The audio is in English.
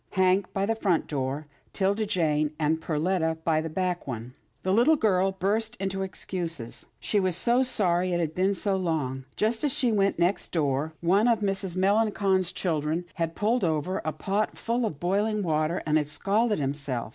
Hank by the front door, 'Tilda Jane and Perletta by the back one. The little girl burst into excuses. She was so sorry to have been so long. Just as she went next door, one of Mrs. Melangon's children had pulled over a pot full of boiling water, and had scalded himself.